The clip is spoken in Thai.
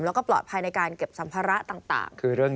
แล้วก็ปลอดภัยในการเก็บสัมภาระต่าง